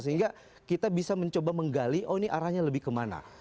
sehingga kita bisa mencoba menggali oh ini arahnya lebih kemana